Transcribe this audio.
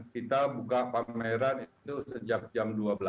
kita buka pameran itu sejak jam dua belas